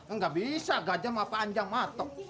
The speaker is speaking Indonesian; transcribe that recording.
enggak bisa gajeng mah panjang mah